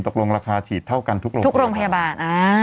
ตกลงราคาฉีดเท่ากันทุกโรงทุกโรงพยาบาล